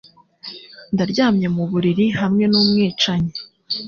Ndaryamye mu buriri hamwe numwicanyi.